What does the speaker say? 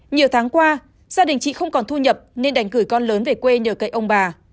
nhiều tháng qua gia đình chị không còn thu nhập nên đành gửi con lớn về quê nhờ cậy ông bà